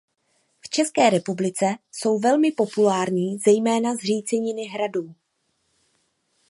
V České republice jsou velmi populární zejména zříceniny hradů.